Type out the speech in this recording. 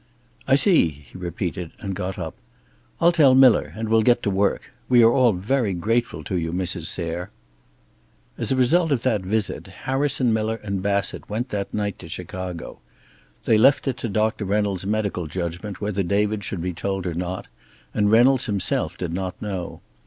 "I see," he repeated, and got up. "I'll tell Miller, and we'll get to work. We are all very grateful to you, Mrs. Sayre " As a result of that visit Harrison Miller and Bassett went that night to Chicago. They left it to Doctor Reynolds' medical judgment whether David should be told or not, and Reynolds himself did not know.